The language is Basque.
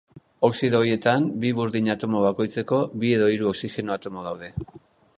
Oxido horietan, bi burdin atomo bakoitzeko, bi edo hiru oxigeno atomo daude.